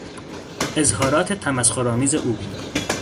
اظهارات تمسخرآمیز او